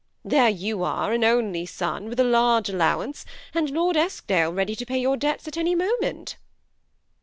There you are, an only son, with a large aUow ance, and Lord Eskdale ready to pay your debts at any moment."